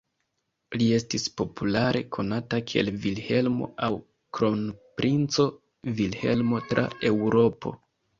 Li estis populare konata kiel Vilhelmo aŭ Kronprinco Vilhelmo tra Eŭropo.